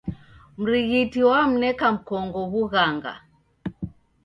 Mrighiti wamneka mkongo w'ughanga.